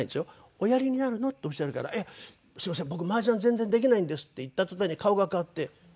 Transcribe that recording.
「おやりになるの？」っておっしゃるから「すみません僕麻雀全然できないんです」って言った途端に顔が変わって「できないの？」